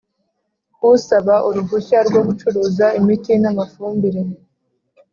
Usaba uruhushya rwo gucuruza imiti n amafumbire